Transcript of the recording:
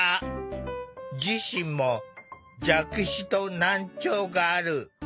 自身も弱視と難聴がある。